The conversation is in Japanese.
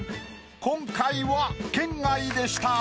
今回は圏外でした。